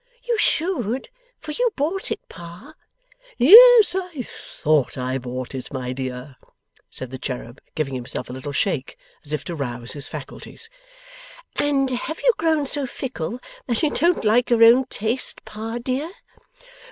'You should, for you bought it, Pa.' 'Yes, I THOUGHT I bought it my dear!' said the cherub, giving himself a little shake, as if to rouse his faculties. 'And have you grown so fickle that you don't like your own taste, Pa dear?